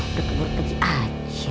udah keburu keji aja